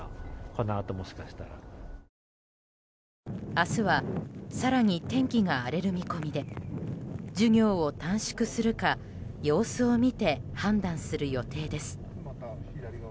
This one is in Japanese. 明日は、更に天気が荒れる見込みで授業を短縮するか様子を見て判断する予定です。